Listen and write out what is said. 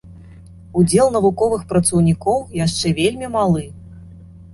Удзел навуковых працаўнікоў яшчэ вельмі малы.